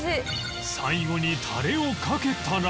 最後にタレをかけたら